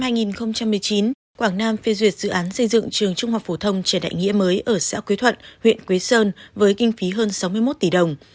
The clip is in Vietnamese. năm hai nghìn một mươi chín quảng nam phê duyệt dự án xây dựng trường trung học phổ thông trần đại nghĩa mới ở xã quế thuận huyện quế sơn với kinh phí hơn sáu mươi một tỷ đồng